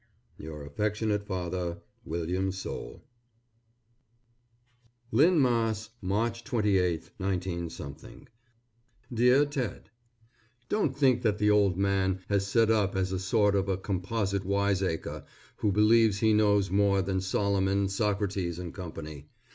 Your affectionate father, WILLIAM SOULE. LYNN, MASS., _March 28, 19 _ DEAR TED: Don't think that the old man has set up as a sort of a composite wiseacre, who believes he knows more than Solomon, Socrates & Company.